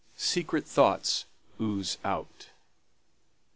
SECRET THOUGHTS OOZE OUT.